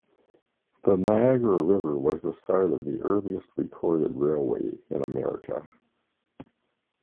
The Niagara River was the site of the earliest recorded railway in America.